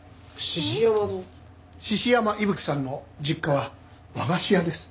獅子山伊吹さんの実家は和菓子屋です。